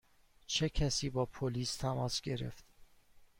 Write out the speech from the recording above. چه کسی با پلیس تماس گرفت؟